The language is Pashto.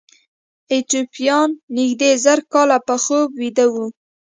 ایتوپیایان نږدې زر کاله په خوب ویده وو.